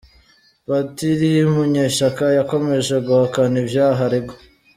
Patiri Munyeshaka yakomeje guhakana ivyaha aregwa.